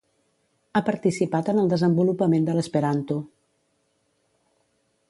Ha participat en el desenvolupament de l'esperanto.